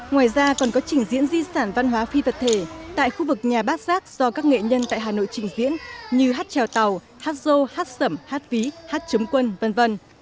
ngoài ra còn có trình diễn di sản văn hóa phi vật thể tại khu vực nhà bát giác do các nghệ nhân tại hà nội trình diễn như hát trèo tàu hát dô hát sẩm hát ví hát chống quân v v